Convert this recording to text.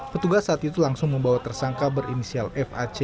petugas saat itu langsung membawa tersangka berinisial fac